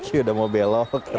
sudah mau belok